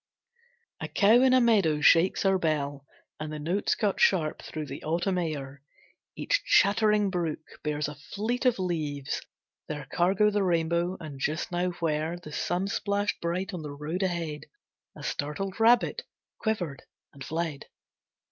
A cow in a meadow shakes her bell And the notes cut sharp through the autumn air, Each chattering brook bears a fleet of leaves Their cargo the rainbow, and just now where The sun splashed bright on the road ahead A startled rabbit quivered and fled.